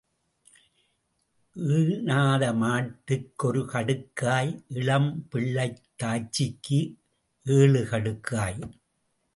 ஈனாத மாட்டுக்கு ஒரு கடுக்காய் இளம் பிள்ளைத்தாய்ச்சிக்கு ஏழு கடுக்காய்.